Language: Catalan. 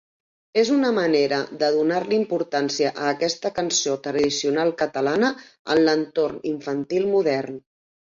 És una manera de donar-li importància a aquesta cançó tradicional catalana en l'entorn infantil modern.